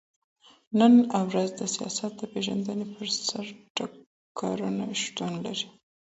نن ورځ د سياست د پېژندني پر سر ټکرونه شتون لري.